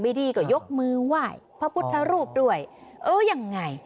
ดีก็ยกมือไหว้พระพุทธรูปด้วยเออยังไง